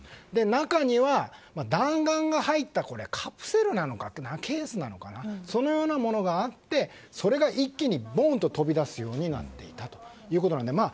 中には弾丸が入ったカプセルなのか、ケースなのかそのようなものがあってそれが一気にボンと飛び出すようになっていたと。